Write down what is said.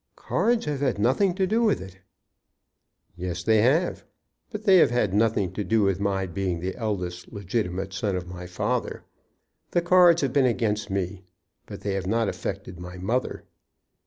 "Cards have had nothing to do with it." "Yes; they have. But they have had nothing to do with my being the eldest legitimate son of my father. The cards have been against me, but they have not affected my mother.